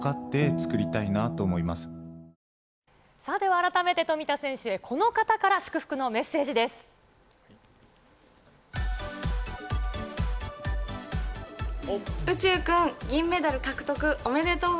改めて富田選手、この方から祝福のメッセージです。